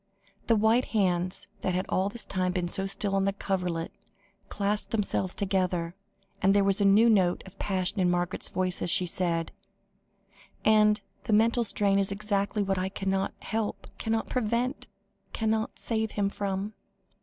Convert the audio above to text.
The white hands that all this time had been so still on the coverlet, clasped themselves together, and there was a new note of passion in Margaret's voice, as she said "And the mental strain is exactly what I cannot help, cannot prevent, cannot save him from."